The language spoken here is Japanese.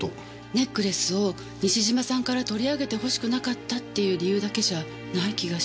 ネックレスを西島さんから取り上げてほしくなかったっていう理由だけじゃない気がして。